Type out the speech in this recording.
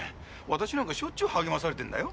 私なんかしょっちゅう励まされてるんだよ？